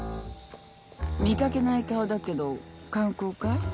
見掛けない顔だけど観光かい？